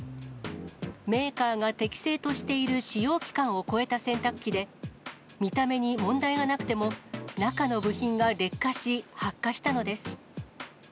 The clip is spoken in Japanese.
メーカーが適正としている使用期間を超えた洗濯機で、見た目に問題がなくても、中の部品が劣化し、発火したのです。